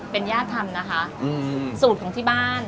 เป็นญาติธรรมนะคะสูตรของที่บ้าน